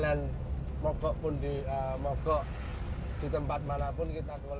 ramai degas attainedasi kertas ioty multiple